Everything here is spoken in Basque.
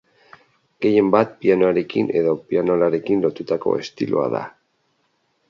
Gehienbat pianoarekin edo pianolarekin lotutako estiloa da.